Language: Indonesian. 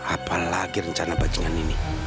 apalagi rencana bajingan ini